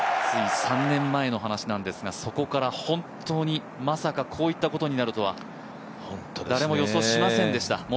つい３年前の話なんですがそこから、本当にまさかこういったことになるとは誰も予想しませんでした。